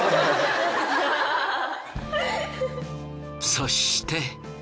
そして。